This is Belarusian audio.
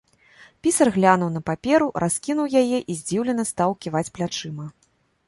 Пісар глянуў на паперу, раскінуў яе і здзіўлена стаў ківаць плячыма.